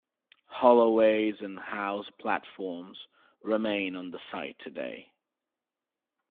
Hollow ways and house platforms remain on the site today.